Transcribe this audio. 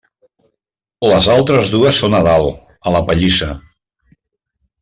Les altres dues són a dalt, a la pallissa.